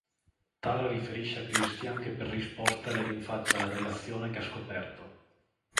Tara riferisce a Christian che per risposta le rinfaccia la relazione che ha scoperto.